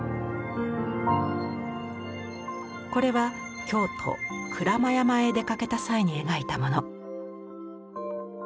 これは京都・鞍馬山へ出かけた際に描いたもの。